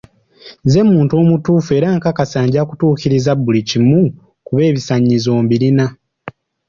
Nze muntu omutuufu era nkakasa nja kutuukiriza buli kimu kuba ebisaanyizo mbirina.